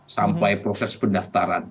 sampai proses pendaftaran